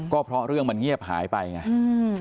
ก็เพราะเรื่องมันเงียบหายไปไง